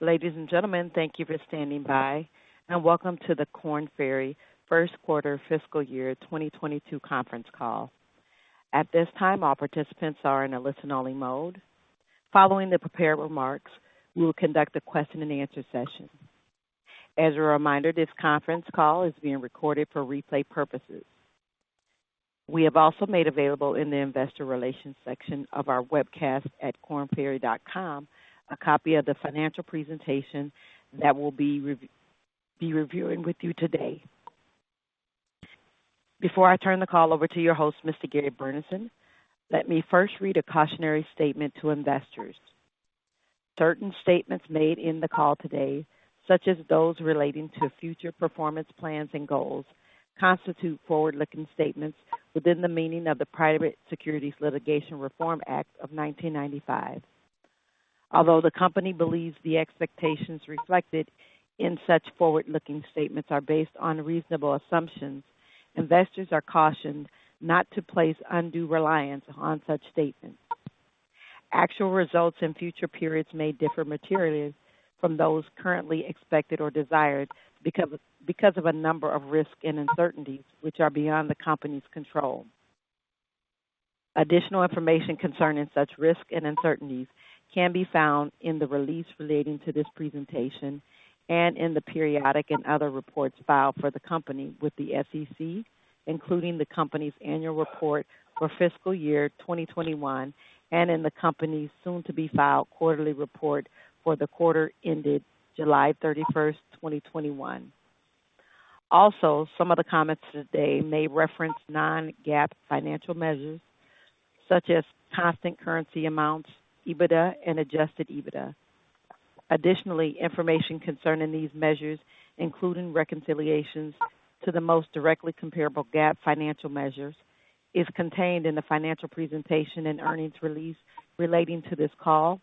Ladies and gentlemen, thank you for standing by, and welcome to the Korn Ferry First Quarter Fiscal Year 2022 Conference Call. At this time, all participants are in a listen-only mode. Following the prepared remarks, we will conduct a question and answer session. As a reminder, this conference call is being recorded for replay purposes. We have also made available in the investor relations section of our webcast at kornferry.com a copy of the financial presentation that we'll be reviewing with you today. Before I turn the call over to your host, Mr. Gary Burnison, let me first read a cautionary statement to investors. Certain statements made in the call today, such as those relating to future performance plans and goals, constitute forward-looking statements within the meaning of the Private Securities Litigation Reform Act of 1995. Although the company believes the expectations reflected in such forward-looking statements are based on reasonable assumptions, investors are cautioned not to place undue reliance on such statements. Actual results in future periods may differ materially from those currently expected or desired because of a number of risks and uncertainties which are beyond the company's control. Additional information concerning such risks and uncertainties can be found in the release relating to this presentation and in the periodic and other reports filed for the company with the SEC, including the company's annual report for fiscal year 2021 and in the company's soon-to-be-filed quarterly report for the quarter ended July 31, 2021. Also, some of the comments today may reference non-GAAP financial measures such as constant currency amounts, EBITDA, and adjusted EBITDA. Additionally, information concerning these measures, including reconciliations to the most directly comparable GAAP financial measures, is contained in the financial presentation and earnings release relating to this call,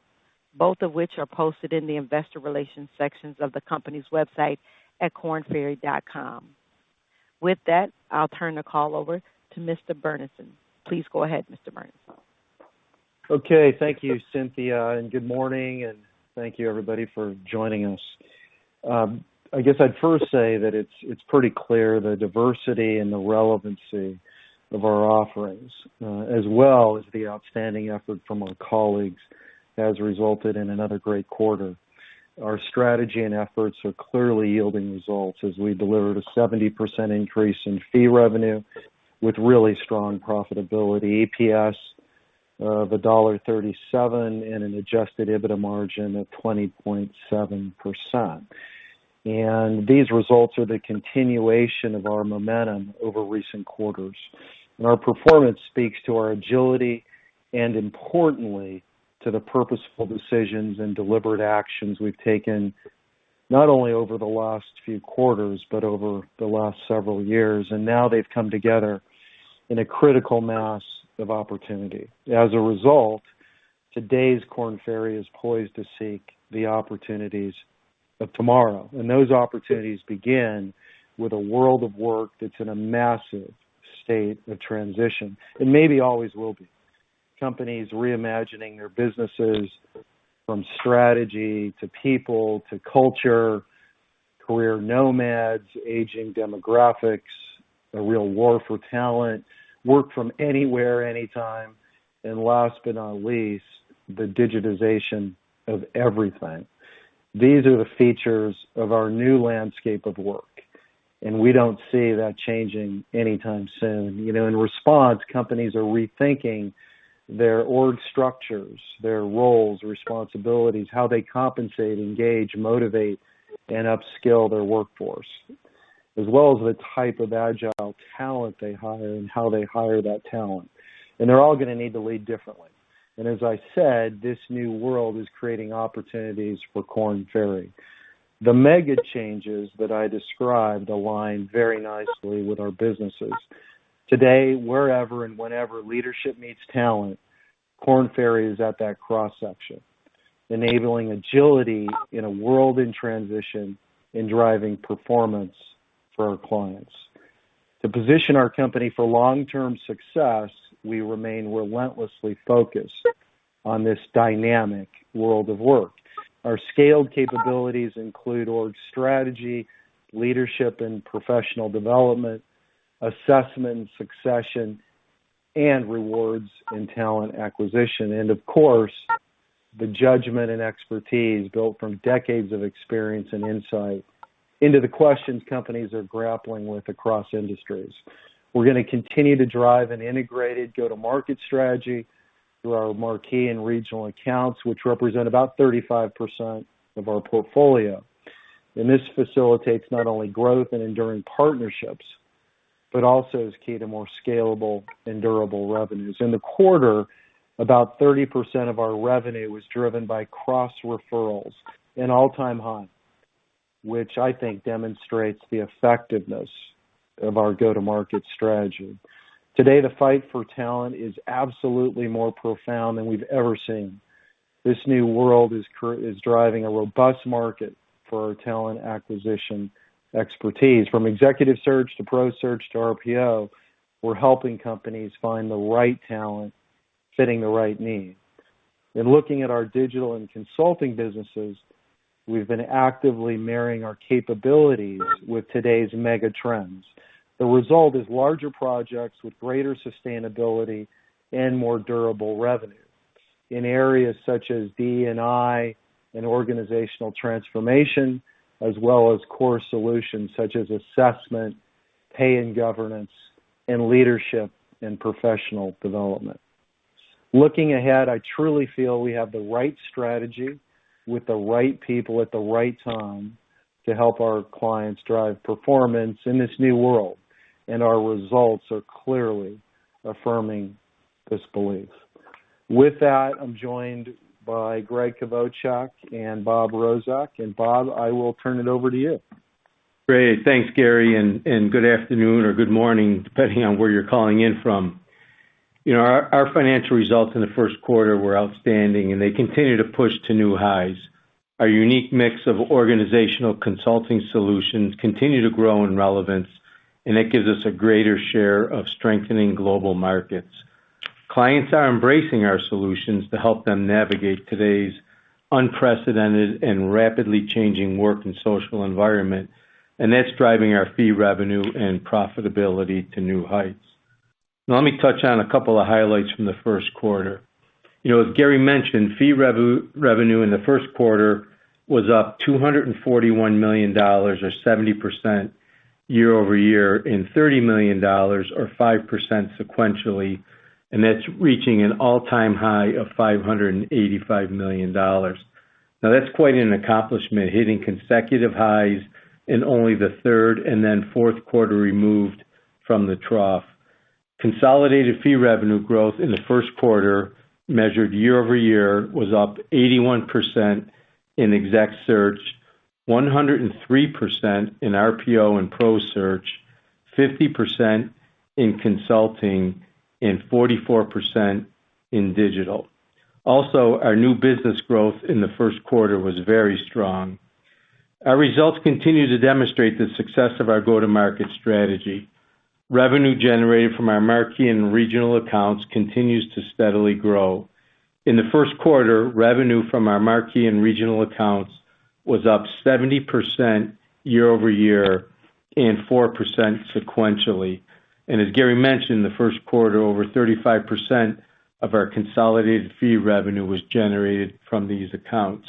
both of which are posted in the investor relations sections of the company's website at kornferry.com. With that, I'll turn the call over to Mr. Burnison. Please go ahead, Mr. Burnison. Okay. Thank you, Cynthia, and good morning, and thank you everybody for joining us. I guess I'd first say that it's pretty clear the diversity and the relevancy of our offerings, as well as the outstanding effort from our colleagues, has resulted in another great quarter. Our strategy and efforts are clearly yielding results as we delivered a 70% increase in fee revenue with really strong profitability, EPS of $1.37, and an adjusted EBITDA margin of 20.7%. These results are the continuation of our momentum over recent quarters. Our performance speaks to our agility and importantly, to the purposeful decisions and deliberate actions we've taken not only over the last few quarters, but over the last several years. Now they've come together in a critical mass of opportunity. As a result, today's Korn Ferry is poised to seek the opportunities of tomorrow. Those opportunities begin with a world of work that's in a massive state of transition, and maybe always will be. Companies reimagining their businesses from strategy to people to culture, career nomads, aging demographics, a real war for talent, work from anywhere, anytime, and last but not least, the digitization of everything. These are the features of our new landscape of work. We don't see that changing anytime soon. In response, companies are rethinking their org structures, their roles, responsibilities, how they compensate, engage, motivate, and upskill their workforce, as well as the type of agile talent they hire and how they hire that talent. They're all going to need to lead differently. As I said, this new world is creating opportunities for Korn Ferry. The mega changes that I described align very nicely with our businesses. Today, wherever and whenever leadership meets talent, Korn Ferry is at that cross-section, enabling agility in a world in transition in driving performance for our clients. To position our company for long-term success, we remain relentlessly focused on this dynamic world of work. Our scaled capabilities include org strategy, leadership and professional development, assessment, succession, and rewards and talent acquisition, and of course, the judgment and expertise built from decades of experience and insight into the questions companies are grappling with across industries. We're going to continue to drive an integrated go-to-market strategy through our marquee and regional accounts, which represent about 35% of our portfolio. This facilitates not only growth and enduring partnerships, but also is key to more scalable and durable revenues. In the quarter, about 30% of our revenue was driven by cross referrals, an all-time high, which I think demonstrates the effectiveness of our go-to-market strategy. Today, the fight for talent is absolutely more profound than we've ever seen. This new world is driving a robust market for our talent acquisition expertise. From Executive Search to ProSearch to RPO. We're helping companies find the right talent fitting the right need. In looking at our Digital and Consulting businesses, we've been actively marrying our capabilities with today's mega trends. The result is larger projects with greater sustainability and more durable revenue in areas such as DE&I and organizational transformation, as well as core solutions such as assessment, pay and governance, and leadership and professional development. Looking ahead, I truly feel we have the right strategy with the right people at the right time to help our clients drive performance in this new world, and our results are clearly affirming this belief. With that, I'm joined by Gregg Kvochak and Bob Rozek. Bob, I will turn it over to you. Great. Thanks, Gary. Good afternoon or good morning, depending on where you're calling in from. Our financial results in the first quarter were outstanding, and they continue to push to new highs. Our unique mix of organizational Consulting solutions continue to grow in relevance, and that gives us a greater share of strengthening global markets. Clients are embracing our solutions to help them navigate today's unprecedented and rapidly changing work and social environment, and that's driving our fee revenue and profitability to new heights. Let me touch on a couple of highlights from the first quarter. As Gary mentioned, fee revenue in the first quarter was up $241 million, or 70%, year-over-year, and $30 million or 5% sequentially, and that's reaching an all-time high of $585 million. That's quite an accomplishment, hitting consecutive highs in only the third and then fourth quarter removed from the trough. Consolidated fee revenue growth in the first quarter, measured year-over-year, was up 81% in Exec Search, 103% in RPO and Pro Search, 50% in Consulting, and 44% in Digital. Our new business growth in the first quarter was very strong. Our results continue to demonstrate the success of our go-to-market strategy. Revenue generated from our marquee and regional accounts continues to steadily grow. In the first quarter, revenue from our marquee and regional accounts was up 70% year-over-year and 4% sequentially. As Gary mentioned, the first quarter, over 35% of our consolidated fee revenue was generated from these accounts.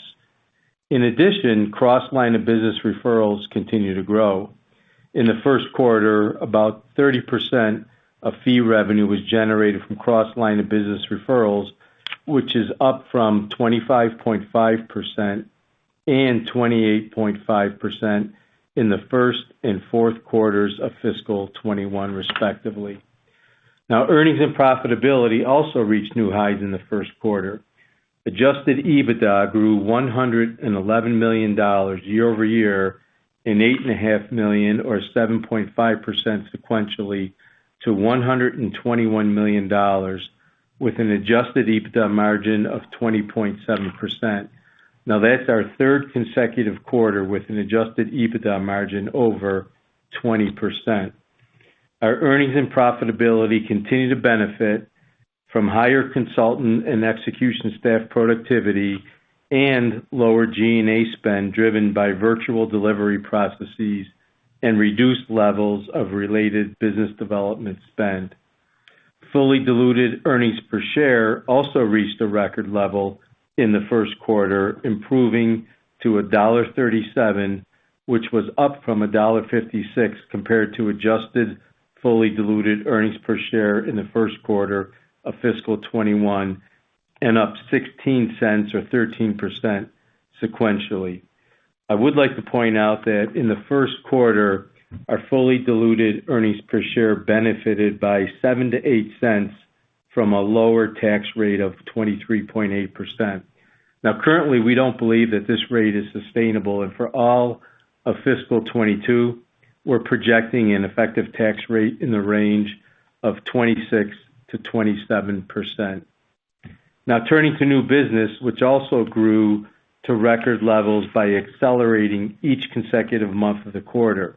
In addition, cross-line of business referrals continue to grow. In the first quarter, about 30% of fee revenue was generated from cross-line of business referrals, which is up from 25.5% and 28.5% in the first and fourth quarters of fiscal 2021, respectively. Earnings and profitability also reached new highs in the first quarter. Adjusted EBITDA grew $111 million year-over-year and $8.5 million, or 7.5% sequentially, to $121 million, with an adjusted EBITDA margin of 20.7%. That's our third consecutive quarter with an adjusted EBITDA margin over 20%. Our earnings and profitability continue to benefit from higher consultant and execution staff productivity and lower G&A spend, driven by virtual delivery processes and reduced levels of related business development spend. Fully diluted earnings per share also reached a record level in the first quarter, improving to $1.37, which was up from $1.56 compared to adjusted fully diluted earnings per share in the first quarter of fiscal 2021, and up $0.16 or 13% sequentially. I would like to point out that in the first quarter, our fully diluted earnings per share benefited by $0.07-$0.08 from a lower tax rate of 23.8%. Currently, we don't believe that this rate is sustainable, and for all of fiscal 2022, we're projecting an effective tax rate in the range of 26%-27%. Turning to new business, which also grew to record levels by accelerating each consecutive month of the quarter.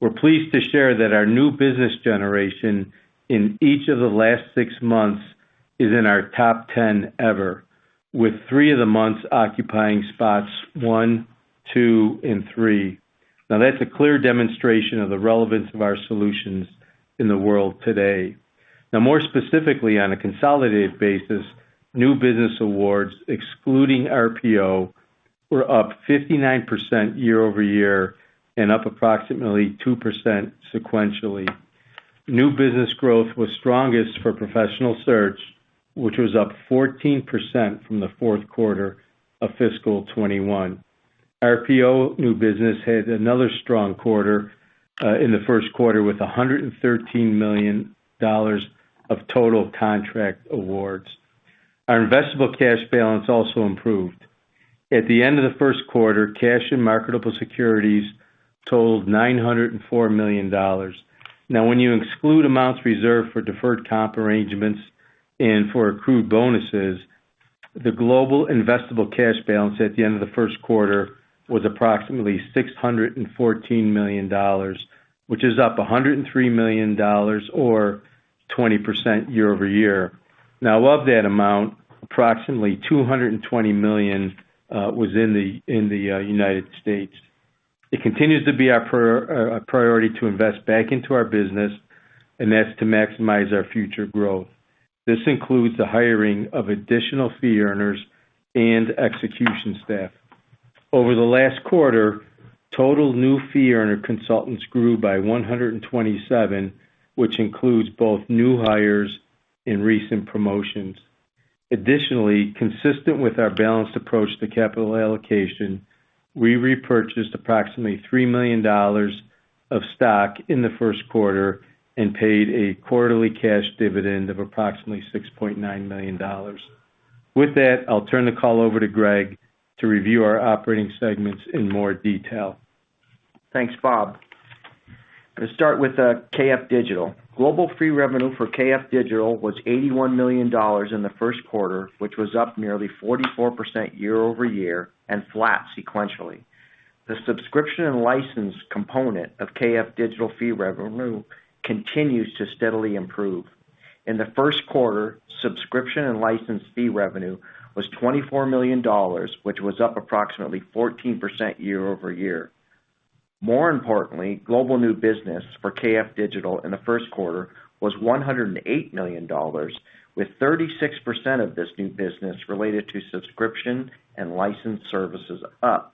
We're pleased to share that our new business generation in each of the last six months is in our top 10 ever, with three of the months occupying spots one, two, and three. That's a clear demonstration of the relevance of our solutions in the world today. More specifically, on a consolidated basis, new business awards, excluding RPO, were up 59% year-over-year and up approximately 2% sequentially. New business growth was strongest for Professional Search, which was up 14% from the fourth quarter of fiscal 2021. RPO new business had another strong quarter in the first quarter, with $113 million of total contract awards. Our investable cash balance also improved. At the end of the first quarter, cash and marketable securities totaled $904 million. Now when you exclude amounts reserved for deferred comp arrangements and for accrued bonuses, the global investable cash balance at the end of the first quarter was approximately $614 million, which is up $103 million or 20% year-over-year. Now, of that amount, approximately $220 million was in the United States. It continues to be our priority to invest back into our business, and that's to maximize our future growth. This includes the hiring of additional fee earners and execution staff. Over the last quarter, total new fee earner consultants grew by 127, which includes both new hires and recent promotions. Additionally, consistent with our balanced approach to capital allocation, we repurchased approximately $3 million of stock in the first quarter and paid a quarterly cash dividend of approximately $6.9 million. With that, I'll turn the call over to Gregg to review our operating segments in more detail. Thanks, Bob. I'm going to start with KF Digital. Global fee revenue for KF Digital was $81 million in the first quarter, which was up nearly 44% year-over-year and flat sequentially. The subscription and license component of KF Digital fee revenue continues to steadily improve. In the first quarter, subscription and license fee revenue was $24 million, which was up approximately 14% year-over-year. More importantly, global new business for KF Digital in the first quarter was $108 million, with 36% of this new business related to subscription and licensed services up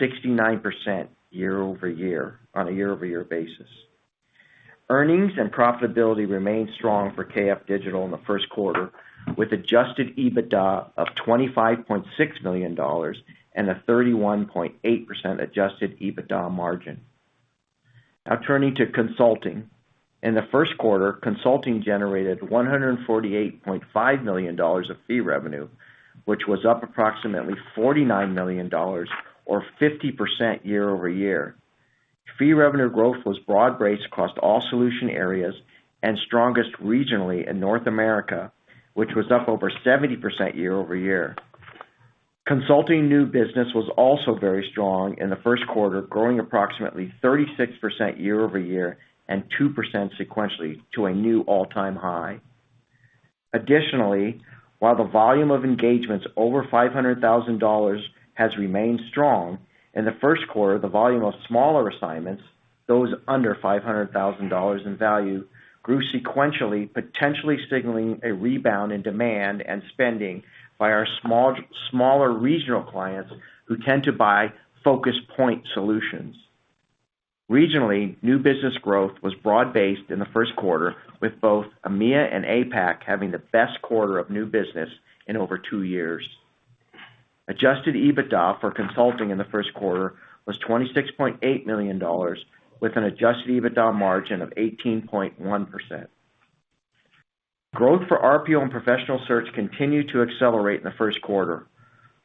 69% on a year-over-year basis. Earnings and profitability remained strong for KF Digital in the first quarter, with adjusted EBITDA of $25.6 million and a 31.8% adjusted EBITDA margin. Turning to Consulting. In the first quarter, Consulting generated $148.5 million of fee revenue, which was up approximately $49 million or 50% year-over-year. Fee revenue growth was broad-based across all solution areas and strongest regionally in North America, which was up over 70% year-over-year. Consulting new business was also very strong in the first quarter, growing approximately 36% year-over-year and 2% sequentially to a new all-time high. Additionally, while the volume of engagements over $500,000 has remained strong, in the first quarter, the volume of smaller assignments, those under $500,000 in value, grew sequentially, potentially signaling a rebound in demand and spending by our smaller regional clients who tend to buy focus point solutions. Regionally, new business growth was broad-based in the first quarter, with both EMEA and APAC having the best quarter of new business in over two years. Adjusted EBITDA for Consulting in the first quarter was $26.8 million, with an adjusted EBITDA margin of 18.1%. Growth for RPO and Professional Search continued to accelerate in the first quarter.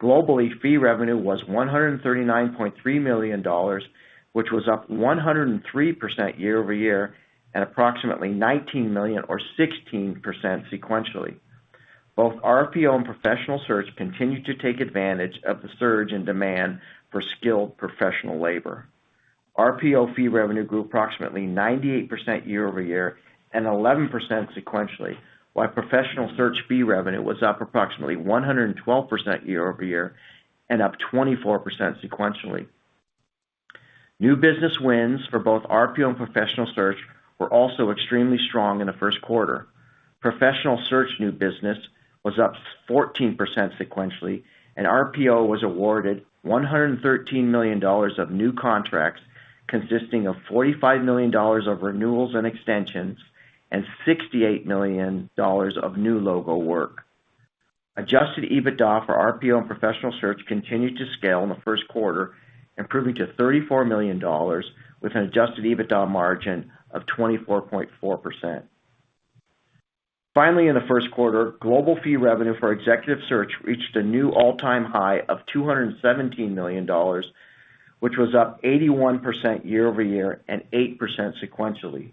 Globally, fee revenue was $139.3 million, which was up 103% year-over-year at approximately $19 million or 16% sequentially. Both RPO and Professional Search continued to take advantage of the surge in demand for skilled professional labor. RPO fee revenue grew approximately 98% year-over-year and 11% sequentially, while Professional Search fee revenue was up approximately 112% year-over-year and up 24% sequentially. New business wins for both RPO and Professional Search were also extremely strong in the first quarter. Professional Search new business was up 14% sequentially, and RPO was awarded $113 million of new contracts, consisting of $45 million of renewals and extensions and $68 million of new logo work. Adjusted EBITDA for RPO and Professional Search continued to scale in the first quarter, improving to $34 million, with an adjusted EBITDA margin of 24.4%. In the first quarter, global fee revenue for Executive Search reached a new all-time high of $217 million, which was up 81% year-over-year and 8% sequentially.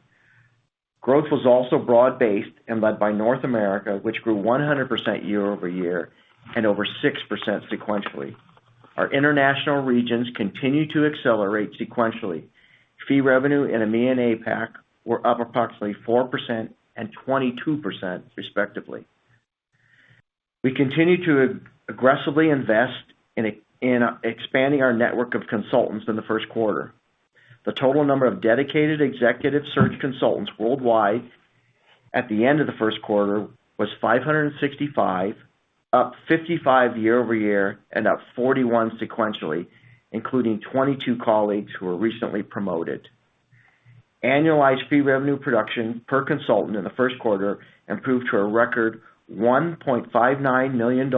Growth was also broad-based and led by North America, which grew 100% year-over-year and over 6% sequentially. Our international regions continue to accelerate sequentially. Fee revenue in EMEA and APAC were up approximately 4% and 22%, respectively. We continued to aggressively invest in expanding our network of consultants in the first quarter. The total number of dedicated Executive Search consultants worldwide at the end of the first quarter was 565, up 55 year-over-year and up 41 sequentially, including 22 colleagues who were recently promoted. Annualized fee revenue production per consultant in the first quarter improved to a record $1.59 million,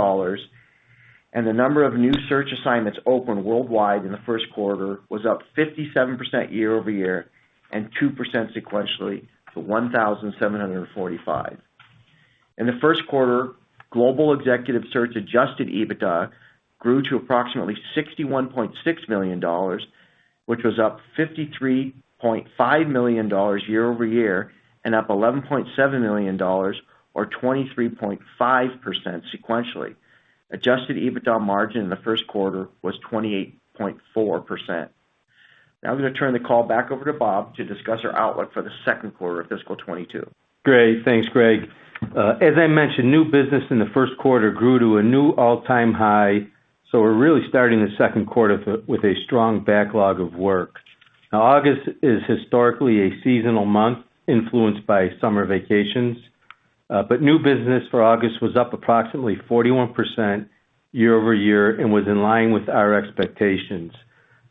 and the number of new search assignments opened worldwide in the first quarter was up 57% year-over-year and 2% sequentially to 1,745. In the first quarter, global Executive Search adjusted EBITDA grew to approximately $61.6 million. Which was up $53.5 million year-over-year, and up $11.7 million, or 23.5% sequentially. Adjusted EBITDA margin in the first quarter was 28.4%. Now I'm going to turn the call back over to Bob to discuss our outlook for the second quarter of fiscal 2022. Great. Thanks, Gregg. As I mentioned, new business in the first quarter grew to a new all-time high, so we're really starting the second quarter with a strong backlog of work. August is historically a seasonal month influenced by summer vacations. New business for August was up approximately 41% year-over-year and was in line with our expectations.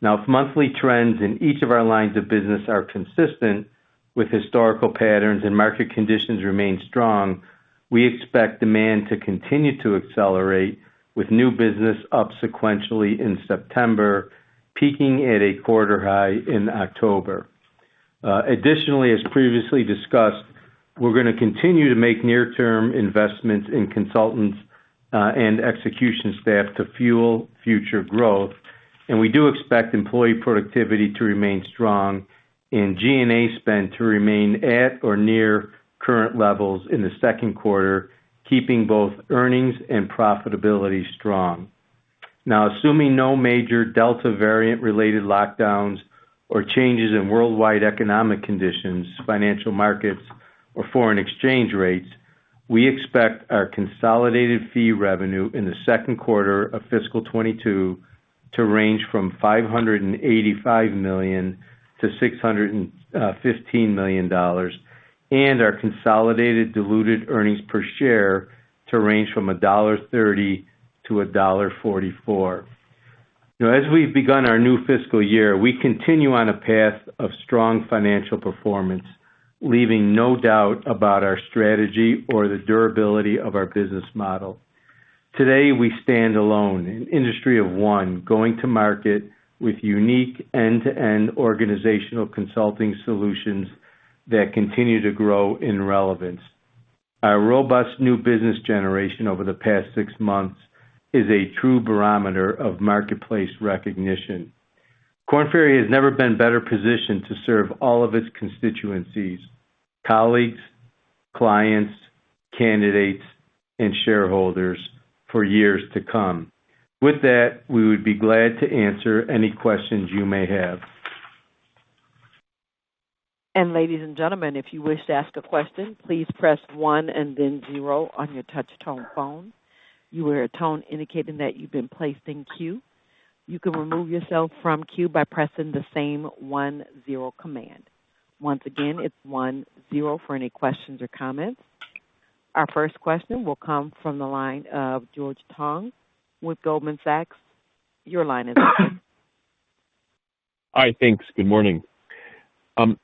If monthly trends in each of our lines of business are consistent with historical patterns and market conditions remain strong, we expect demand to continue to accelerate, with new business up sequentially in September, peaking at a quarter high in October. Additionally, as previously discussed, we're going to continue to make near-term investments in consultants and execution staff to fuel future growth. We do expect employee productivity to remain strong and G&A spend to remain at or near current levels in the second quarter, keeping both earnings and profitability strong. Assuming no major Delta variant-related lockdowns or changes in worldwide economic conditions, financial markets, or foreign exchange rates, we expect our consolidated fee revenue in the second quarter of fiscal 2022 to range from $585 million-$615 million, and our consolidated diluted earnings per share to range from $1.30-$1.44. As we've begun our new fiscal year, we continue on a path of strong financial performance, leaving no doubt about our strategy or the durability of our business model. Today, we stand alone in an industry of one, going to market with unique end-to-end organizational consulting solutions that continue to grow in relevance. Our robust new business generation over the past six months is a true barometer of marketplace recognition. Korn Ferry has never been better positioned to serve all of its constituencies, colleagues, clients, candidates, and shareholders for years to come. With that, we would be glad to answer any questions you may have. Ladies and gentlemen, if you wish to ask a question, please press one and then zero on your touch-tone phone. You will hear a tone indicating that you've been placed in queue. You can remove yourself from queue by pressing the same one-zero command. Once again, it's one-zero for any questions or comments. Our first question will come from the line of George Tong with Goldman Sachs. Your line is open. Hi, thanks. Good morning.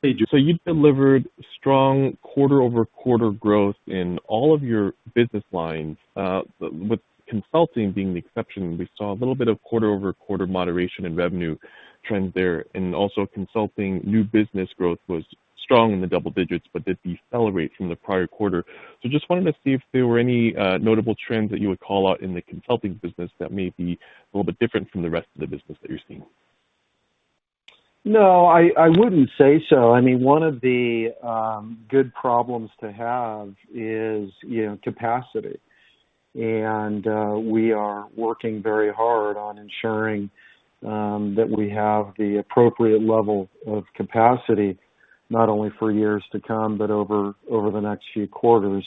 You've delivered strong quarter-over-quarter growth in all of your business lines, with Consulting being the exception. We saw a little bit of quarter-over-quarter moderation in revenue trends there, and also Consulting new business growth was strong in the double digits, but did decelerate from the prior quarter. Just wanted to see if there were any notable trends that you would call out in the Consulting business that may be a little bit different from the rest of the business that you're seeing. No, I wouldn't say so. One of the good problems to have is capacity. We are working very hard on ensuring that we have the appropriate level of capacity, not only for years to come, but over the next few quarters.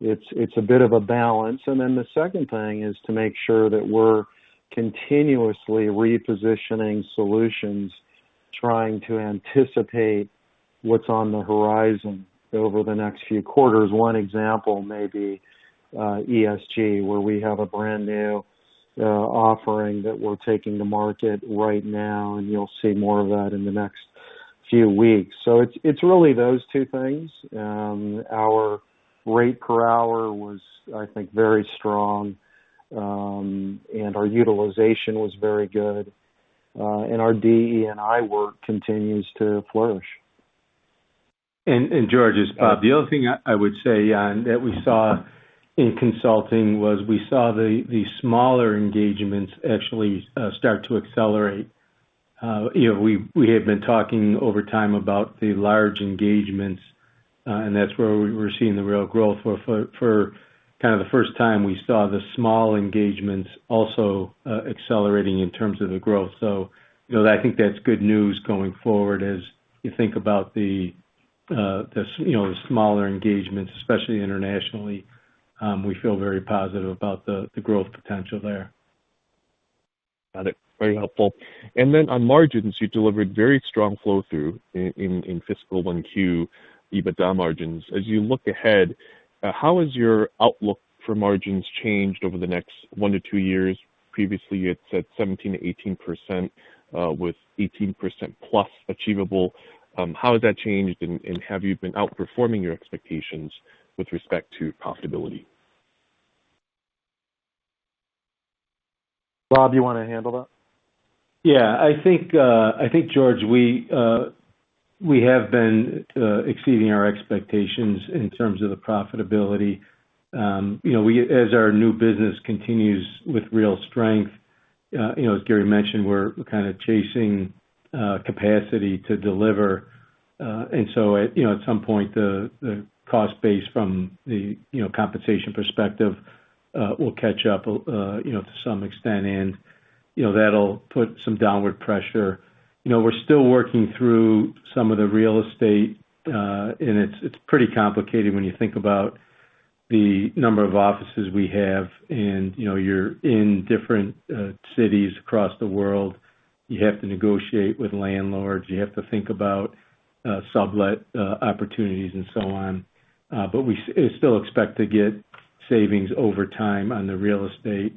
It's a bit of a balance. The second thing is to make sure that we're continuously repositioning solutions, trying to anticipate what's on the horizon over the next few quarters. One example may be ESG, where we have a brand-new offering that we're taking to market right now, and you'll see more of that in the next few weeks. It's really those two things. Our rate per hour was, I think, very strong. Our utilization was very good. Our DE&I work continues to flourish. George, it's Bob. The other thing I would say on that we saw in Consulting was we saw the smaller engagements actually start to accelerate. We have been talking over time about the large engagements, and that's where we're seeing the real growth. For the first time, we saw the small engagements also accelerating in terms of the growth. I think that's good news going forward as you think about the smaller engagements, especially internationally. We feel very positive about the growth potential there. Got it. Very helpful. Then on margins, you delivered very strong flow-through in fiscal 1Q EBITDA margins. As you look ahead, how has your outlook for margins changed over the next one to two years? Previously, you had said 17%-18%, with 18%+ achievable. How has that changed, and have you been outperforming your expectations with respect to profitability? Bob, you want to handle that? Yeah. I think, George, We have been exceeding our expectations in terms of the profitability. As our new business continues with real strength, as Gary mentioned, we're kind of chasing capacity to deliver. At some point, the cost base from the compensation perspective will catch up to some extent, and that'll put some downward pressure. We're still working through some of the real estate, and it's pretty complicated when you think about the number of offices we have. You're in different cities across the world. You have to negotiate with landlords. You have to think about sublet opportunities and so on. We still expect to get savings over time on the real estate.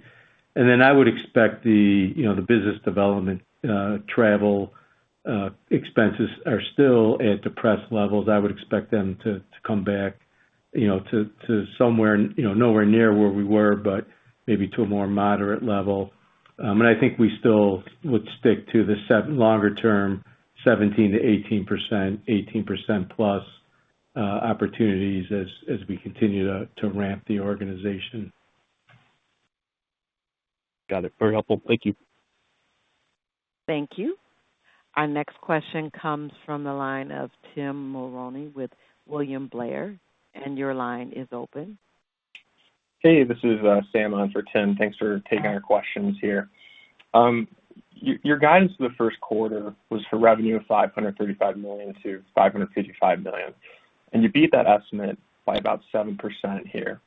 I would expect the business development travel expenses are still at depressed levels. I would expect them to come back to somewhere, nowhere near where we were, but maybe to a more moderate level. I think we still would stick to the longer-term 17%-18%, 18%+ opportunities as we continue to ramp the organization. Got it. Very helpful. Thank you. Thank you. Our next question comes from the line of Tim Mulrooney with William Blair, Your line is open. Hey, this is Sam on for Tim. Thanks for taking our questions here. Your guidance for the first quarter was for revenue of $535 million-$555 million. You beat that estimate by about 7% here.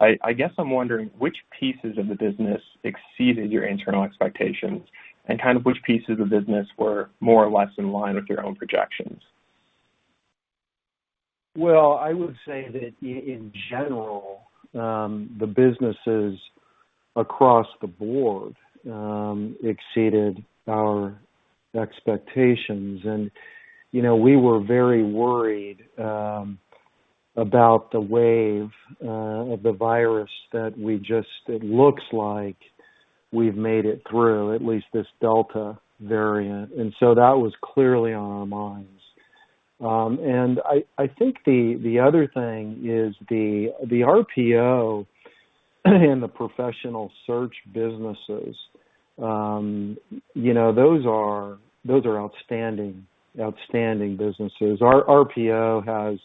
I guess I'm wondering which pieces of the business exceeded your internal expectations and kind of which pieces of business were more or less in line with your own projections? I would say that in general, the businesses across the board exceeded our expectations. We were very worried about the wave of the virus that it looks like we've made it through, at least this Delta variant. That was clearly on our minds. I think the other thing is the RPO and the Professional Search businesses. Those are outstanding businesses. Our RPO has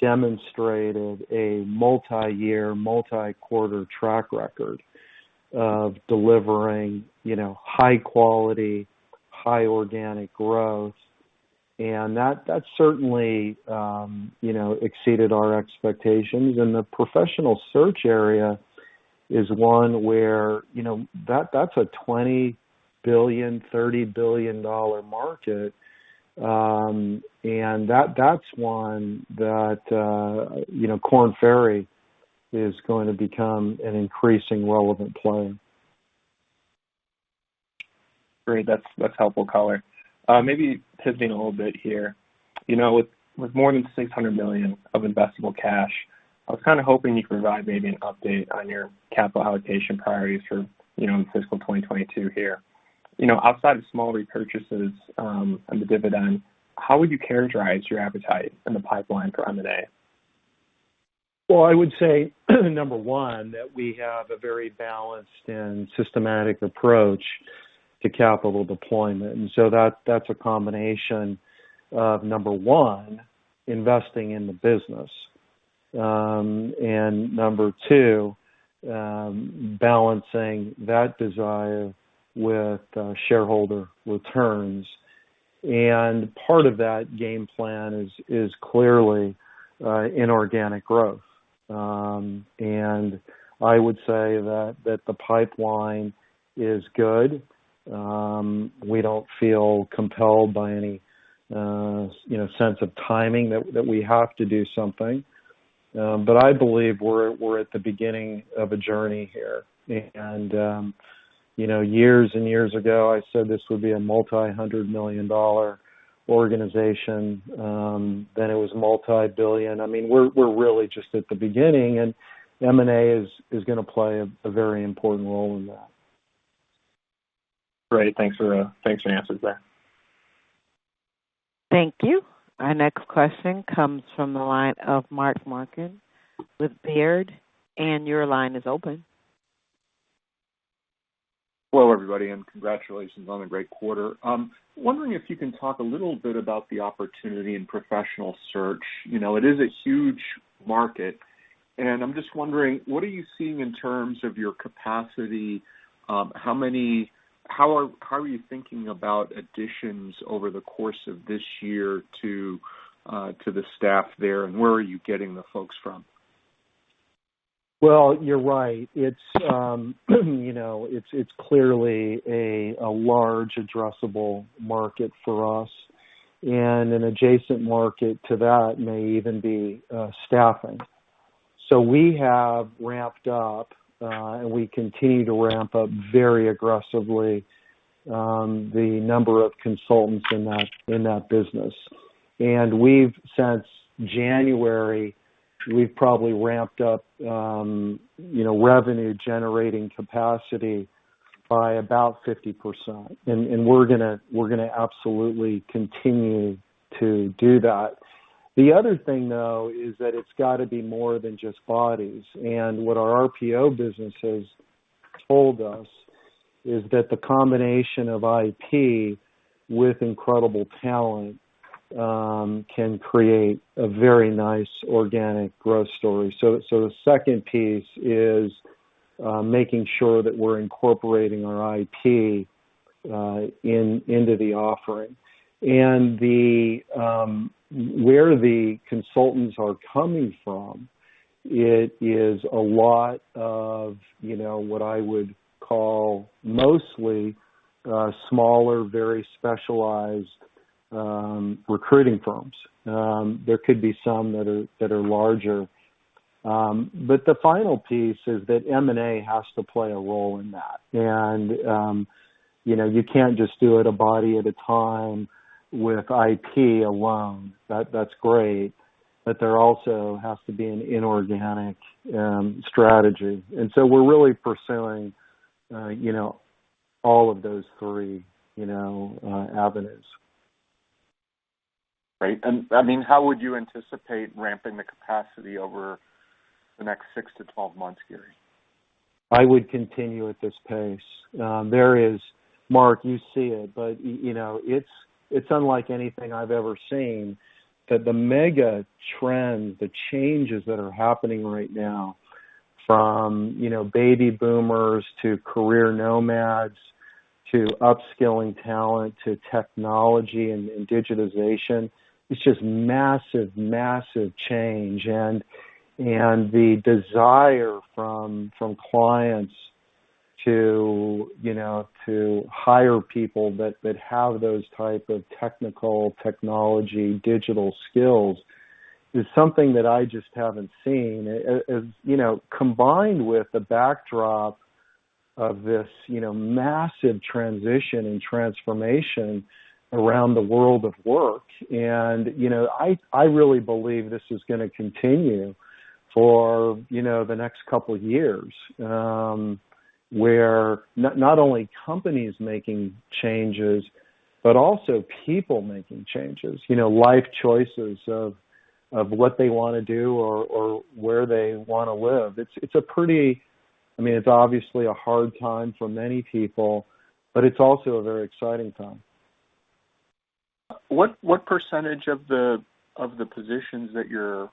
demonstrated a multi-year, multi-quarter track record of delivering high-quality, high organic growth. That certainly exceeded our expectations. The Professional Search area is one where that's a $20 billion, $30 billion market. That's one that Korn Ferry is going to become an increasing relevant player. Great. That's helpful color. Maybe pivoting a little bit here. With more than $600 million of investable cash, I was kind of hoping you could provide maybe an update on your capital allocation priorities for fiscal 2022 here. Outside of small repurchases and the dividend, how would you characterize your appetite in the pipeline for M&A? Well, I would say, number one, that we have a very balanced and systematic approach to capital deployment. That's a combination of, number one, investing in the business. Number two, balancing that desire with shareholder returns. Part of that game plan is clearly inorganic growth. I would say that the pipeline is good. We don't feel compelled by any sense of timing that we have to do something. I believe we're at the beginning of a journey here. Years and years ago, I said this would be a multi-hundred million dollar organization. Then it was multi-billion. We're really just at the beginning, and M&A is going to play a very important role in that. Great. Thanks for answering that. Thank you. Our next question comes from the line of Mark Marcon with Baird. Your line is open. Hello, everybody, and congratulations on a great quarter. I'm wondering if you can talk a little bit about the opportunity in Professional Search. It is a huge market, and I'm just wondering, what are you seeing in terms of your capacity? How are you thinking about additions over the course of this year to the staff there, and where are you getting the folks from? Well, you're right. It's clearly a large addressable market for us, and an adjacent market to that may even be staffing. We have ramped up, and we continue to ramp up very aggressively, the number of consultants in that business. Since January, we've probably ramped up revenue-generating capacity. By about 50%. We're going to absolutely continue to do that. The other thing, though, is that it's got to be more than just bodies. What our RPO business has told us is that the combination of IP with incredible talent can create a very nice organic growth story. The second piece is making sure that we're incorporating our IP into the offering. Where the consultants are coming from, it is a lot of what I would call mostly smaller, very specialized recruiting firms. There could be some that are larger. The final piece is that M&A has to play a role in that. You can't just do it a body at a time with IP alone. That's great, but there also has to be an inorganic strategy. We're really pursuing all of those three avenues. Great. How would you anticipate ramping the capacity over the next 6-12 months, Gary? I would continue at this pace. There is, Mark, you see it, but it's unlike anything I've ever seen, that the mega trends, the changes that are happening right now, from baby boomers to career nomads, to upskilling talent, to technology and digitization. It's just massive change. The desire from clients to hire people that have those type of technical, technology, digital skills is something that I just haven't seen. Combined with the backdrop of this massive transition and transformation around the world of work. I really believe this is going to continue for the next couple of years, where not only companies making changes, but also people making changes. Life choices of what they want to do or where they want to live. It's obviously a hard time for many people, but it's also a very exciting time. What percentage of the positions that you're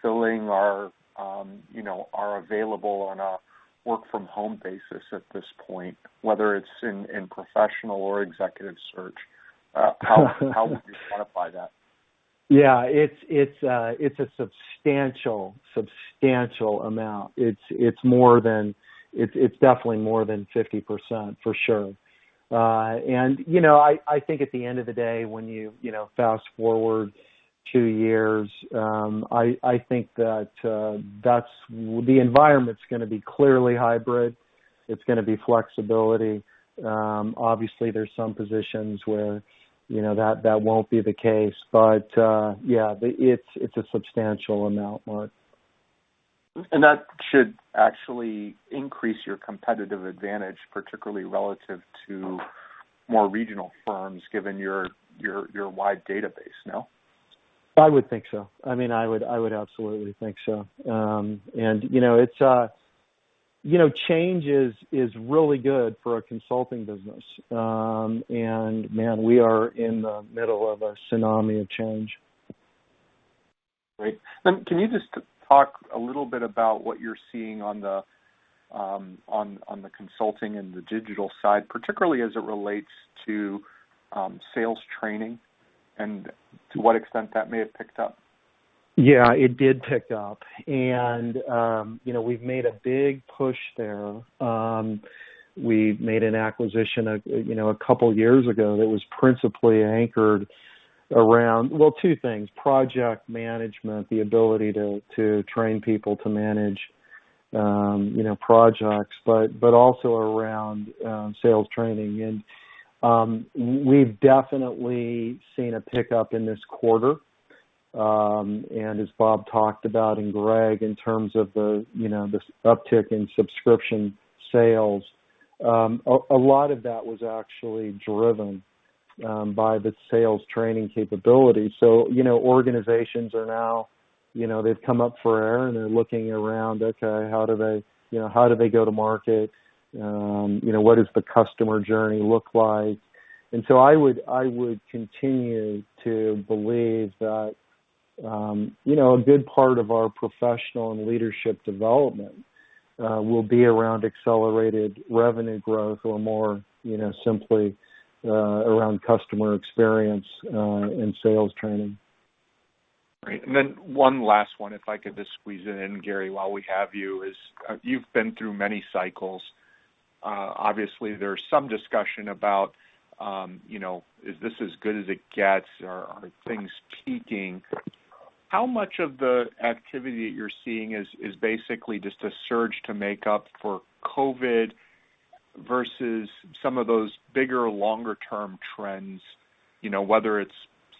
filling are available on a work-from-home basis at this point, whether it's in Professional or Executive Search? How would you quantify that? Yeah. It's a substantial amount. It's definitely more than 50%, for sure. I think at the end of the day, when you fast-forward two years, I think that the environment's going to be clearly hybrid. It's going to be flexibility. Obviously, there's some positions where that won't be the case. Yeah, it's a substantial amount, Mark. That should actually increase your competitive advantage, particularly relative to more regional firms, given your wide database, no? I would think so. I would absolutely think so. Change is really good for a Consulting business. Man, we are in the middle of a tsunami of change. Great. Can you just talk a little bit about what you're seeing on the Consulting and the Digital side, particularly as it relates to sales training and to what extent that may have picked up? Yeah, it did pick up. We've made a big push there. We made an acquisition a couple of years ago that was principally anchored around, well, two things, project management, the ability to train people to manage projects, but also around sales training. We've definitely seen a pickup in this quarter. As Bob talked about, and Gregg, in terms of this uptick in subscription sales, a lot of that was actually driven by the sales training capability. Organizations are now, they've come up for air, and they're looking around, okay, how do they go to market? What does the customer journey look like? I would continue to believe that a good part of our professional and leadership development will be around accelerated revenue growth or more simply around customer experience and sales training. Great. One last one, if I could just squeeze it in, Gary, while we have you, is you've been through many cycles. Obviously, there's some discussion about, is this as good as it gets? Are things peaking? How much of the activity that you're seeing is basically just a surge to make up for COVID versus some of those bigger, longer-term trends, whether it's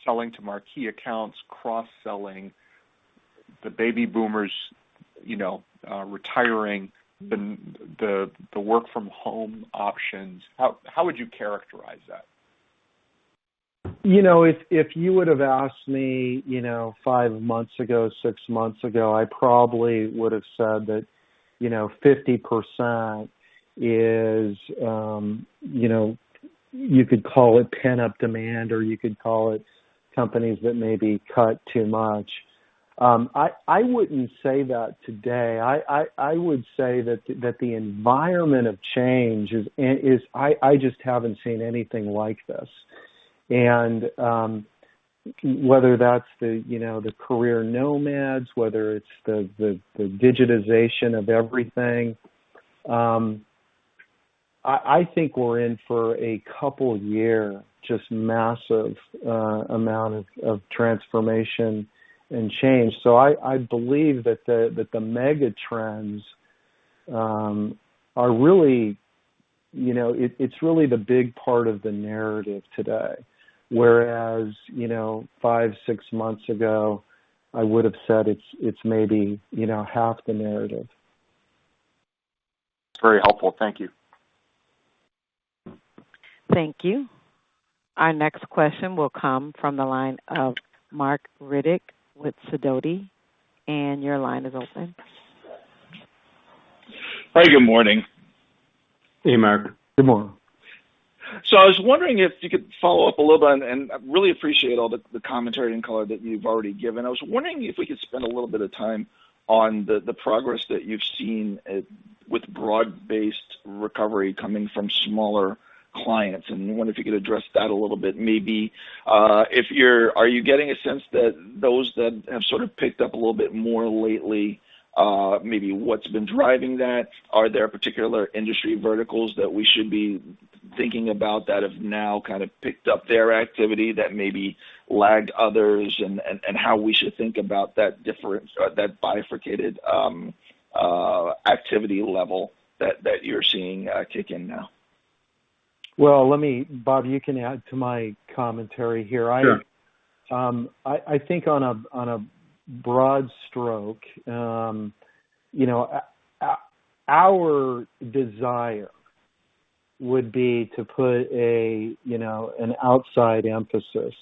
selling to marquee accounts, cross-selling, the baby boomers retiring, the work-from-home options. How would you characterize that? If you would've asked me five months ago, six months ago, I probably would've said that 50% is, you could call it pent-up demand, or you could call it companies that maybe cut too much. I wouldn't say that today. I would say that the environment of change, I just haven't seen anything like this. Whether that's the career nomads, whether it's the digitization of everything, I think we're in for a two year, just massive amount of transformation and change. I believe that the mega trends, it's really the big part of the narrative today. Whereas, five, six months ago, I would've said it's maybe half the narrative. It's very helpful. Thank you. Thank you. Our next question will come from the line of Marc Riddick with Sidoti. Your line is open. Hi, good morning. Hey, Marc, good morning. I was wondering if you could follow up a little bit, and I really appreciate all the commentary and color that you've already given. I was wondering if we could spend a little bit of time on the progress that you've seen with broad-based recovery coming from smaller clients. I wonder if you could address that a little bit. Maybe, are you getting a sense that those that have sort of picked up a little bit more lately, maybe what's been driving that? Are there particular industry verticals that we should be thinking about that have now kind of picked up their activity that maybe lagged others? How we should think about that difference or that bifurcated activity level that you're seeing kick in now. Well, Bob, you can add to my commentary here. Sure. I think on a broad stroke, our desire would be to put an outside emphasis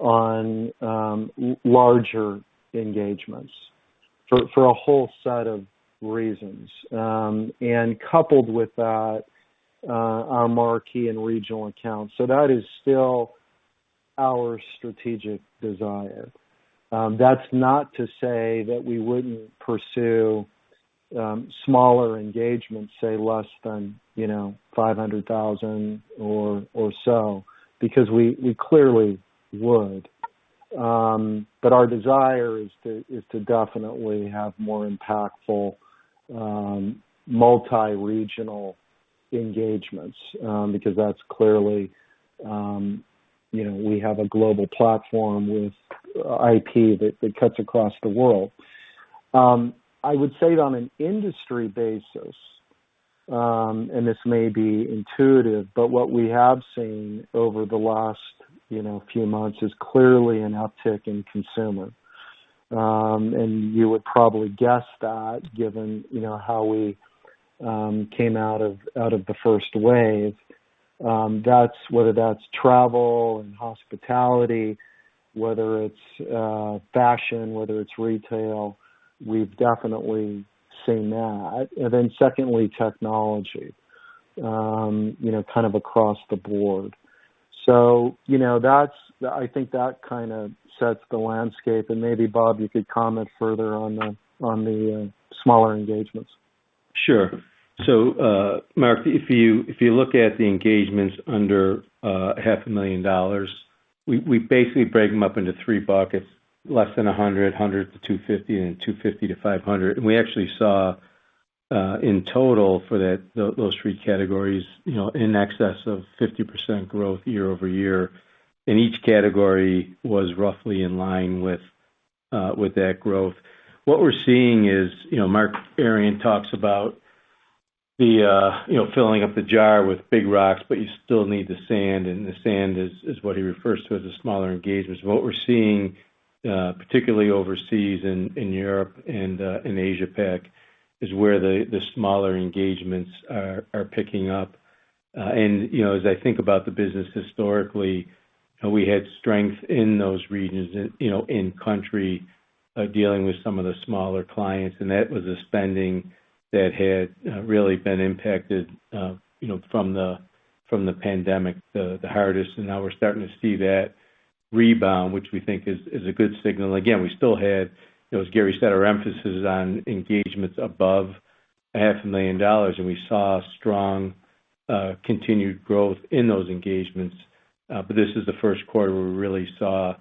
on larger engagements for a whole set of reasons. Coupled with that, our marquee and regional accounts. That is still our strategic desire. That's not to say that we wouldn't pursue smaller engagements, say less than $500,000 or so, because we clearly would. Our desire is to definitely have more impactful, multi-regional engagements, because that's clearly we have a global platform with IP that cuts across the world. I would say on an industry basis, this may be intuitive, what we have seen over the last few months is clearly an uptick in consumer. You would probably guess that given how we came out of the first wave. Whether that's travel and hospitality, whether it's fashion, whether it's retail, we've definitely seen that. Secondly, technology, kind of across the board. I think that kind of sets the landscape. Maybe, Bob, you could comment further on the smaller engagements. Sure. Marc, if you look at the engagements under a half a million dollars, we basically break them up into three buckets. Less than 100-250, and 250-500. We actually saw, in total for those three categories, in excess of 50% growth year-over-year. Each category was roughly in line with that growth. What we're seeing is, Mark Arian talks about filling up the jar with big rocks, you still need the sand, the sand is what he refers to as the smaller engagements. What we're seeing, particularly overseas in Europe and in Asia-Pac, is where the smaller engagements are picking up. As I think about the business historically, how we had strength in those regions, in country, dealing with some of the smaller clients, and that was a spending that had really been impacted from the pandemic the hardest. Now we're starting to see that rebound, which we think is a good signal. Again, we still had, as Gary said, our emphasis is on engagements above $500,000, and we saw strong, continued growth in those engagements. This is the first quarter where we really saw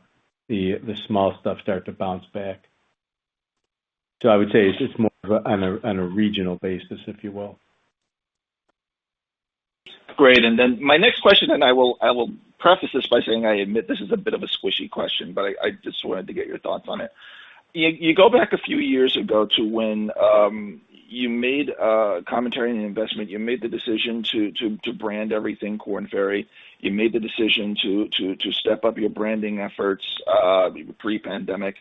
the small stuff start to bounce back. I would say it's more of on a regional basis, if you will. Great. My next question, and I will preface this by saying, I admit this is a bit of a squishy question, but I just wanted to get your thoughts on it. You go back. years ago to when you made a commentary on the investment, you made the decision to brand everything Korn Ferry. You made the decision to step up your branding efforts pre-pandemic.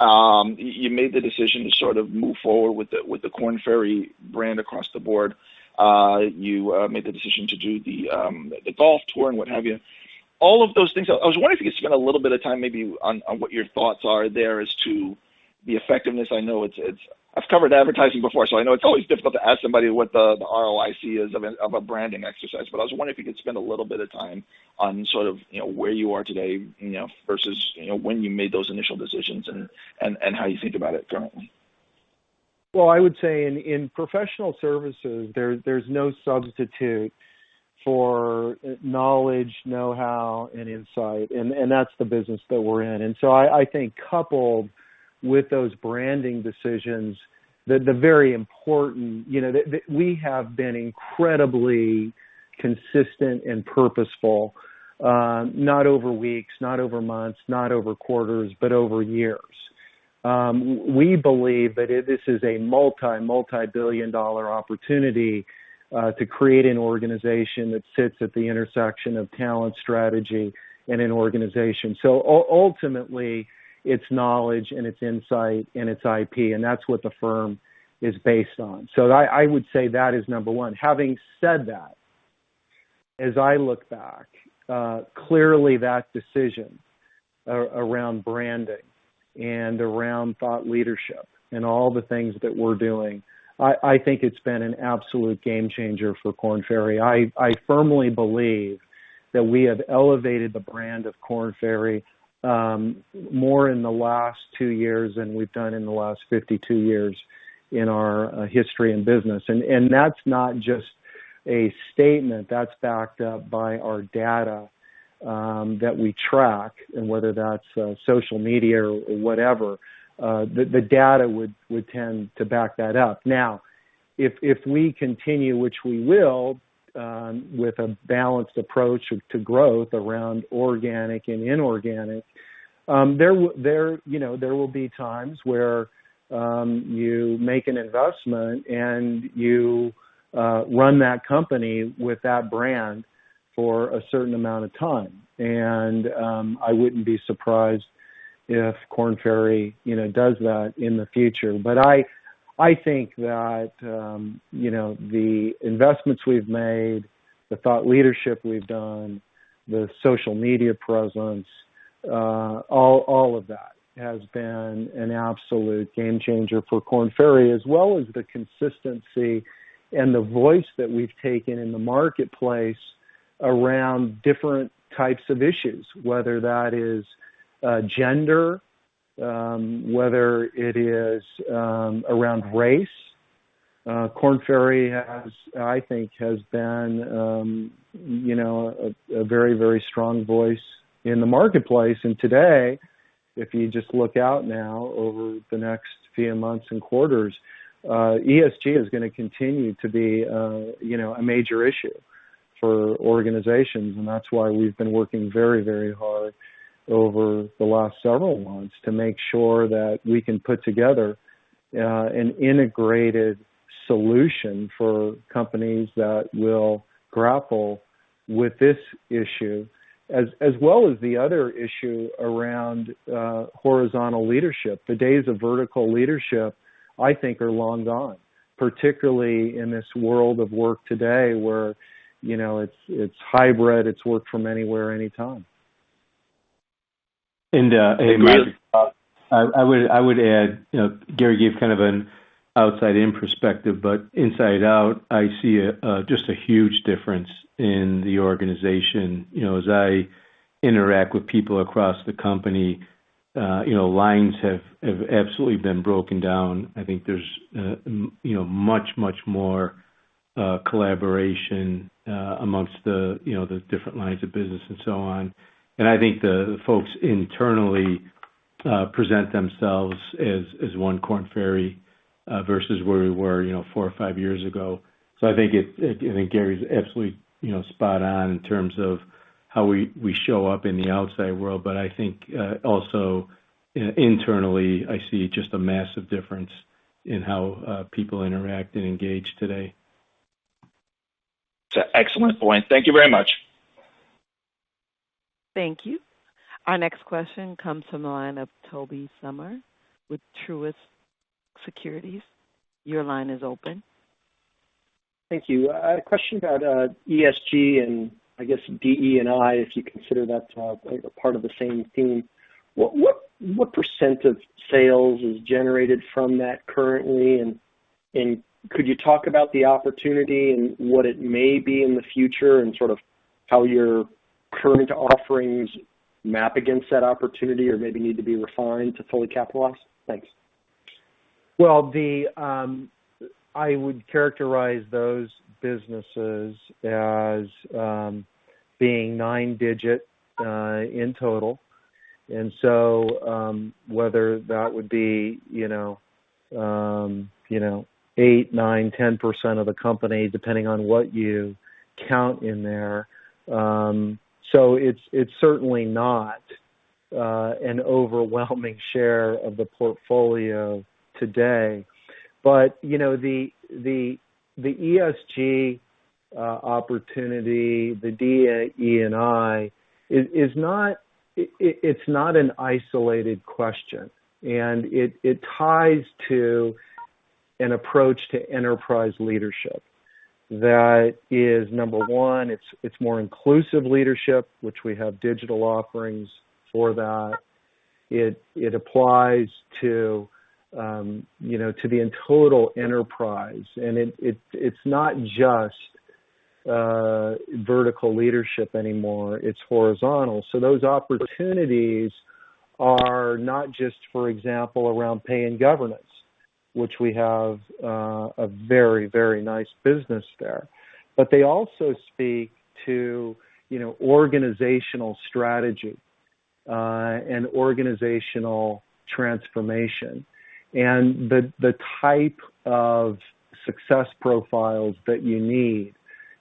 You made the decision to sort of move forward with the Korn Ferry brand across the board. You made the decision to do the golf tour and what have you. All of those things, I was wondering if you could spend a little bit of time maybe on what your thoughts are there as to the effectiveness. I've covered advertising before, so I know it's always difficult to ask somebody what the ROIC is of a branding exercise. I was wondering if you could spend a little bit of time on sort of where you are today, versus when you made those initial decisions and how you think about it currently. I would say in professional services, there's no substitute for knowledge, know-how, and insight, and that's the business that we're in. I think coupled with those branding decisions, the very important We have been incredibly consistent and purposeful, not over weeks, not over months, not over quarters, but over years. We believe that this is a multi-billion-dollar opportunity to create an organization that sits at the intersection of talent, strategy in an organization. Ultimately, it's knowledge and it's insight and it's IP, and that's what the firm is based on. I would say that is number one. Having said that, as I look back, clearly that decision around branding and around thought leadership and all the things that we're doing, I think it's been an absolute game-changer for Korn Ferry. I firmly believe that we have elevated the brand of Korn Ferry more in the last two years than we've done in the last 52 years in our history in business. That's not just a statement. That's backed up by our data that we track, and whether that's social media or whatever. The data would tend to back that up. Now, if we continue, which we will, with a balanced approach to growth around organic and inorganic, there will be times where you make an investment and you run that company with that brand for a certain amount of time. I wouldn't be surprised if Korn Ferry does that in the future. I think that the investments we've made, the thought leadership we've done, the social media presence, all of that has been an absolute game-changer for Korn Ferry, as well as the consistency and the voice that we've taken in the marketplace around different types of issues, whether that is gender, whether it is around race. Korn Ferry, I think, has been a very strong voice in the marketplace. Today, if you just look out now over the next few months and quarters, ESG is going to continue to be a major issue for organizations. That's why we've been working very hard over the last several months to make sure that we can put together an integrated solution for companies that will grapple with this issue, as well as the other issue around horizontal leadership. The days of vertical leadership, I think, are long gone, particularly in this world of work today where it's hybrid, it's work from anywhere, anytime. And. Hey, Gary. I would add, Gary gave kind of an outside-in perspective, but inside out, I see just a huge difference in the organization. As I interact with people across the company, lines have absolutely been broken down. I think there's much more collaboration amongst the different lines of business and so on. I think the folks internally present themselves as one Korn Ferry versus where we were four or five years ago. I think Gary's absolutely spot on in terms of how we show up in the outside world. I think also internally, I see just a massive difference in how people interact and engage today. It's an excellent point. Thank you very much. Thank you. Our next question comes from the line of Tobey Sommer with Truist Securities. Your line is open. Thank you. A question about ESG and I guess DE&I, if you consider that part of the same theme. What percent of sales is generated from that currently? Could you talk about the opportunity and what it may be in the future, and sort of how your current offerings map against that opportunity or maybe need to be refined to fully capitalize? Thanks. I would characterize those businesses as being nine-digit in total. Whether that would be 8%, 9%, 10% of the company, depending on what you count in there. It's certainly not an overwhelming share of the portfolio today. The ESG opportunity, the DE&I, it's not an isolated question. It ties to an approach to enterprise leadership that is, number one, it's more inclusive leadership, which we have digital offerings for that. It applies to be in total enterprise, and it's not just vertical leadership anymore, it's horizontal. Those opportunities are not just, for example, around pay and governance, which we have a very nice business there. They also speak to organizational strategy, and organizational transformation. The type of success profiles that you need,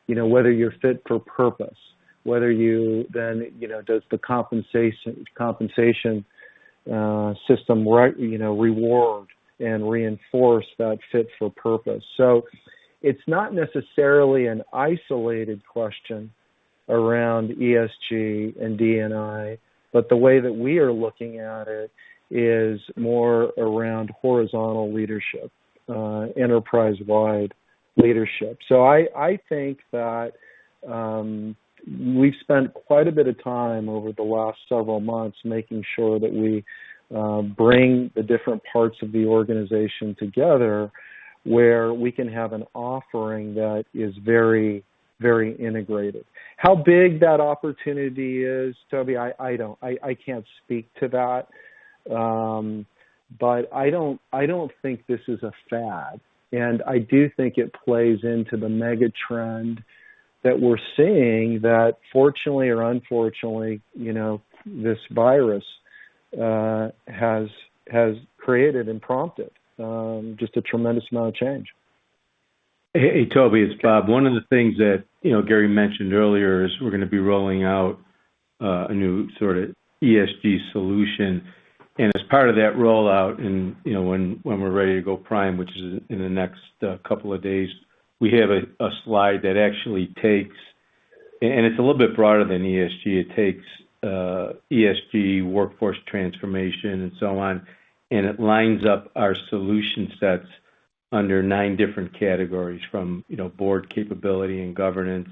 whether you're fit for purpose, whether does the compensation system reward and reinforce that fit for purpose. It's not necessarily an isolated question around ESG and DE&I, but the way that we are looking at it is more around horizontal leadership, enterprise-wide leadership. I think that we've spent quite a bit of time over the last several months making sure that we bring the different parts of the organization together where we can have an offering that is very integrated. How big that opportunity is, Tobey, I can't speak to that. I don't think this is a fad, and I do think it plays into the mega-trend that we're seeing that fortunately or unfortunately, this virus has created and prompted just a tremendous amount of change. Hey, Tobey, it's Bob. One of the things that Gary mentioned earlier is we're going to be rolling out a new sort of ESG solution. As part of that rollout and when we're ready to go prime, which is in the next couple of days, we have a slide that actually takes. It's a little bit broader than ESG. It takes ESG workforce transformation and so on, and it lines up our solution sets under nine different categories from board capability and governance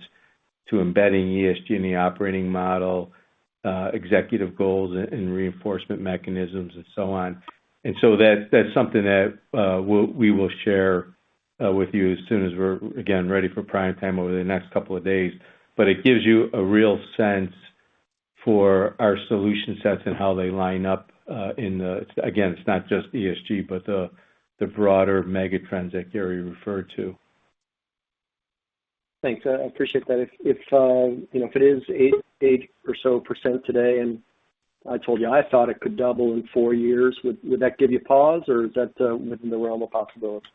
to embedding ESG in the operating model, executive goals and reinforcement mechanisms and so on. That's something that we will share with you as soon as we're, again, ready for prime time over the next couple of days. It gives you a real sense for our solution sets and how they line up in the Again, it's not just ESG, but the broader mega-trends that Gary referred to. Thanks. I appreciate that. If it is 8% or so today, and I told you I thought it could double in four years, would that give you pause, or is that within the realm of possibility?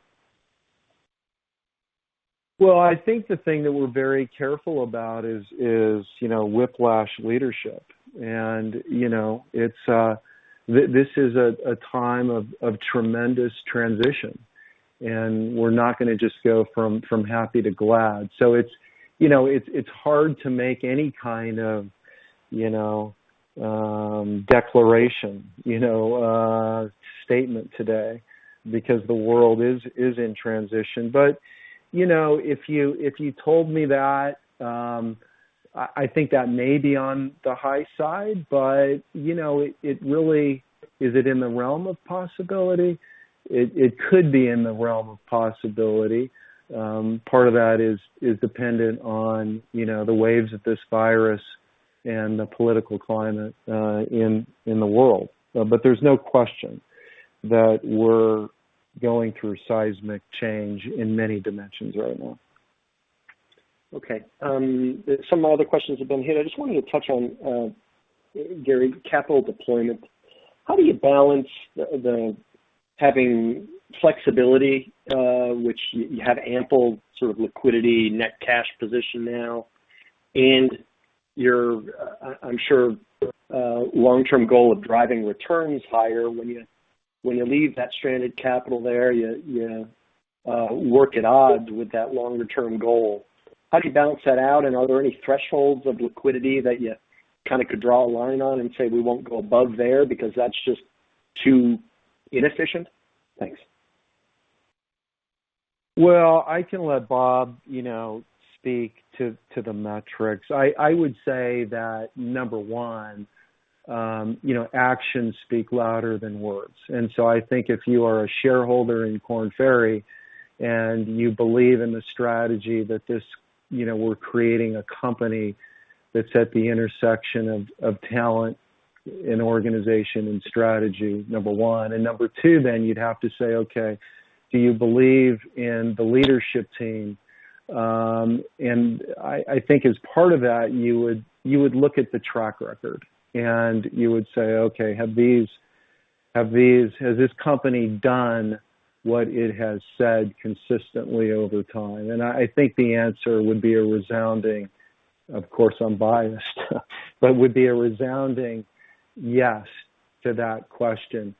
Well, I think the thing that we're very careful about is whiplash leadership. This is a time of tremendous transition, and we're not going to just go from happy to glad. It's hard to make any kind of declaration, a statement today because the world is in transition. If you told me that, I think that may be on the high side. Really, is it in the realm of possibility? It could be in the realm of possibility. Part of that is dependent on the waves of this virus and the political climate in the world. There's no question that we're going through seismic change in many dimensions right now. Okay. Some other questions have been hit. I just wanted to touch on, Gary, capital deployment. How do you balance having flexibility, which you have ample sort of liquidity, net cash position now, and your, I'm sure, long-term goal of driving returns higher when you leave that stranded capital there, you work at odds with that longer-term goal. How do you balance that out, and are there any thresholds of liquidity that you kind of could draw a line on and say, "We won't go above there because that's just too inefficient"? Thanks. Well, I can let Bob speak to the metrics. I would say that number one, actions speak louder than words. I think if you are a shareholder in Korn Ferry and you believe in the strategy that we're creating a company that's at the intersection of talent in organization and strategy, number one. Number two, you'd have to say, okay, do you believe in the leadership team? I think as part of that, you would look at the track record, and you would say, "Okay, has this company done what it has said consistently over time?" I think the answer would be a resounding, of course, I'm biased, but would be a resounding yes to that question.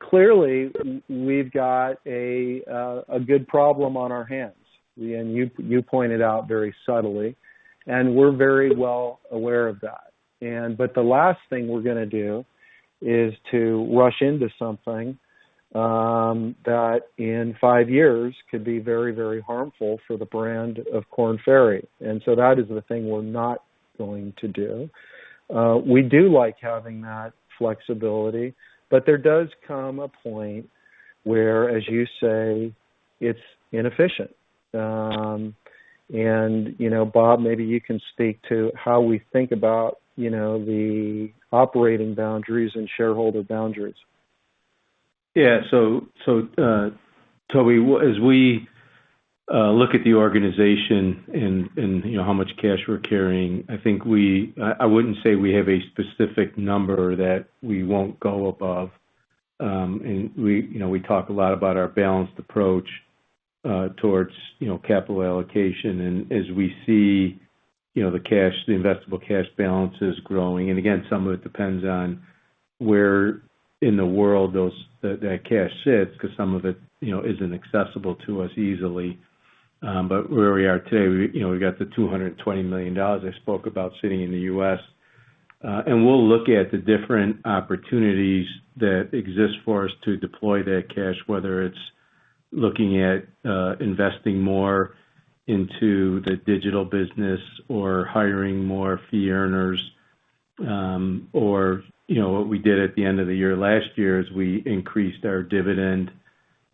Clearly, we've got a good problem on our hands, and you pointed out very subtly, and we're very well aware of that. The last thing we're going to do is to rush into something that in five years could be very harmful for the brand of Korn Ferry. That is the thing we're not going to do. We do like having that flexibility, but there does come a point where, as you say, it's inefficient. Bob, maybe you can speak to how we think about the operating boundaries and shareholder boundaries. Yeah. Tobey, as we look at the organization and how much cash we're carrying, I wouldn't say we have a specific number that we won't go above. We talk a lot about our balanced approach towards capital allocation, and as we see the investable cash balances growing. Again, some of it depends on where in the world that cash sits, because some of it isn't accessible to us easily. Where we are today, we've got the $220 million I spoke about sitting in the U.S. We'll look at the different opportunities that exist for us to deploy that cash, whether it's looking at investing more into the digital business or hiring more fee earners. What we did at the end of the year, last year is we increased our dividend.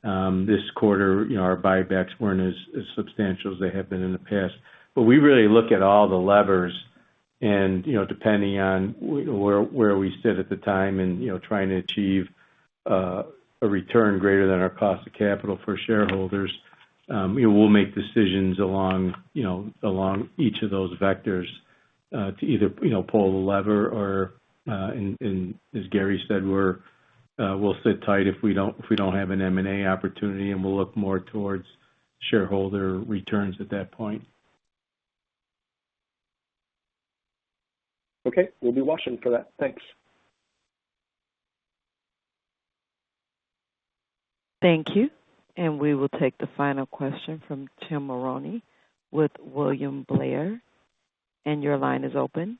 This quarter, our buybacks weren't as substantial as they have been in the past. We really look at all the levers and, depending on where we sit at the time and trying to achieve a return greater than our cost of capital for shareholders. We'll make decisions along each of those vectors to either pull the lever or as Gary said, we'll sit tight if we don't have an M&A opportunity, and we'll look more towards shareholder returns at that point. Okay. We'll be watching for that. Thanks. Thank you. We will take the final question from Tim Mulrooney with William Blair. Your line is open.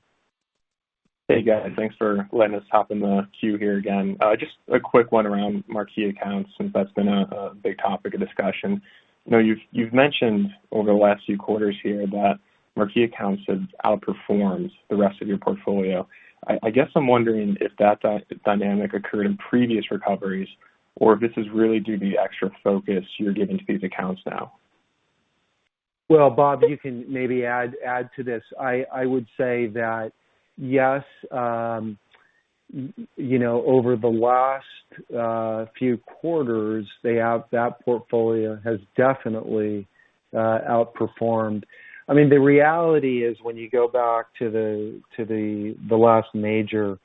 Hey, guys. Thanks for letting us hop in the queue here again. Just a quick one around marquee accounts, since that's been a big topic of discussion. You've mentioned over the last few quarters here that marquee accounts have outperformed the rest of your portfolio. I guess I'm wondering if that dynamic occurred in previous recoveries or if this is really due to the extra focus you're giving to these accounts now. Well, Bob, you can maybe add to this. I would say that, yes, over the last few quarters, that portfolio has definitely outperformed. The reality is when you go back to the last major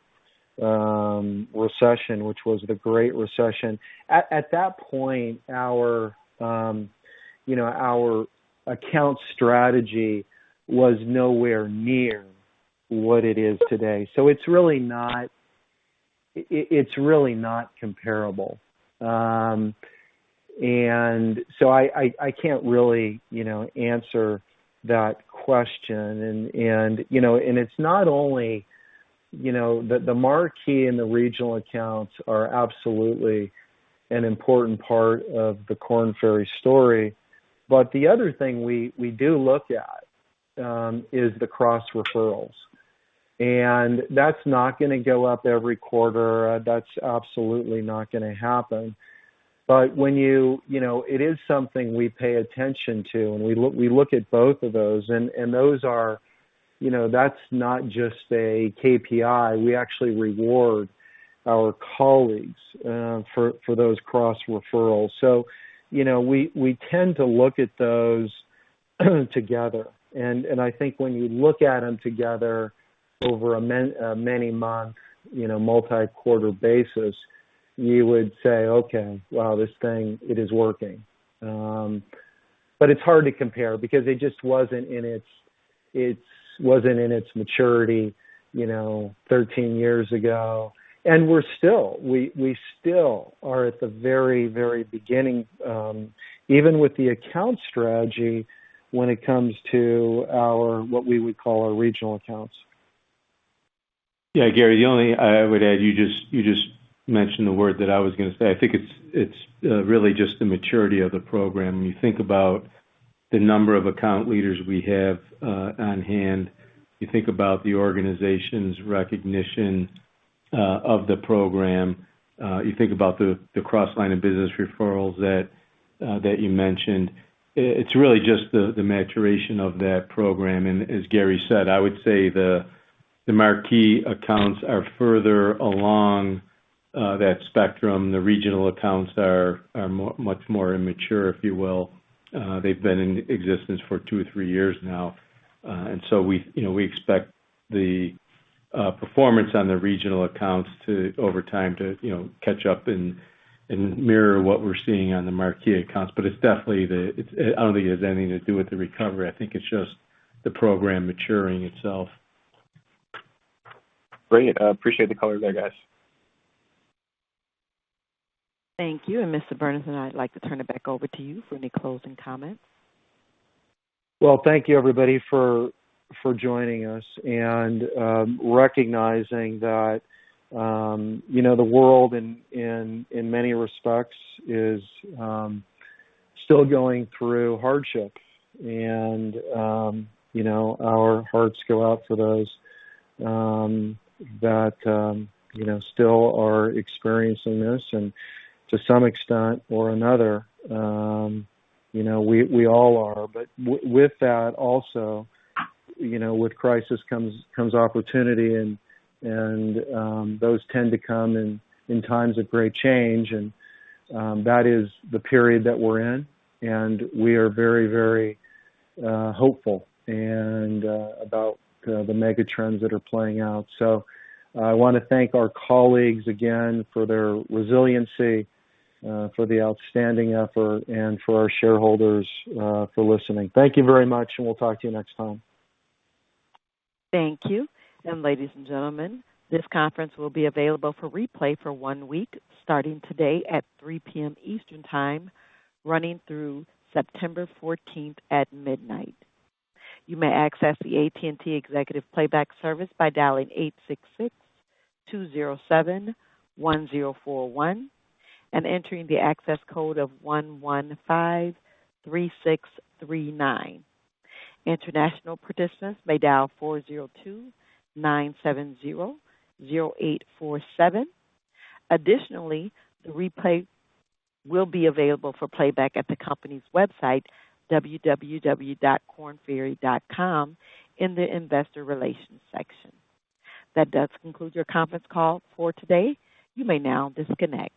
recession, which was the Great Recession. At that point, our account strategy was nowhere near what it is today. It's really not comparable. I can't really answer that question. It's not only the marquee and the regional accounts are absolutely an important part of the Korn Ferry story. The other thing we do look at is the cross referrals. That's not going to go up every quarter. That's absolutely not going to happen. It is something we pay attention to, and we look at both of those, and that's not just a KPI. We actually reward our colleagues for those cross referrals. We tend to look at those together. I think when you look at them together over a many-month, multi-quarter basis, you would say, "Okay, wow, this thing, it is working." It's hard to compare because it just wasn't in its maturity 13 years ago. We still are at the very beginning, even with the account strategy when it comes to what we would call our regional accounts. Gary, the only I would add, you just mentioned the word that I was going to say. I think it's really just the maturity of the program. When you think about the number of account leaders we have on hand. You think about the organization's recognition of the program. You think about the cross-line of business referrals that you mentioned. It's really just the maturation of that program, and as Gary said, I would say the marquee accounts are further along that spectrum, the regional accounts are much more immature, if you will. They've been in existence for two or three years now. We expect the performance on the regional accounts over time to catch up and mirror what we're seeing on the marquee accounts. I don't think it has anything to do with the recovery. I think it's just the program maturing itself. Great. Appreciate the color there, guys. Thank you. Mr. Burnison, I'd like to turn it back over to you for any closing comments. Well, thank you, everybody, for joining us and recognizing that the world, in many respects, is still going through hardship. Our hearts go out for those that still are experiencing this and to some extent or another, we all are. With that also, with crisis comes opportunity and those tend to come in times of great change. That is the period that we're in, and we are very hopeful about the mega trends that are playing out. I want to thank our colleagues again for their resiliency, for the outstanding effort, and for our shareholders for listening. Thank you very much, and we'll talk to you next time. Thank you. Ladies and gentlemen, this conference will be available for replay for one week, starting today at 3:00 P.M. Eastern Time, running through September 14th at midnight. You may access the AT&T Executive Playback service by dialing 866-207-1041 and entering the access code of 1153639. International participants may dial 402-970-0847. Additionally, the replay will be available for playback at the company's website, www.kornferry.com, in the investor relations section. That does conclude your conference call for today. You may now disconnect.